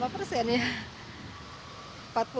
berapa persen ya